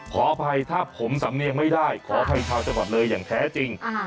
ขออภัยถ้าผมสำเนียงไม่ได้ขออภัยชาวจังหวัดเลยอย่างแท้จริง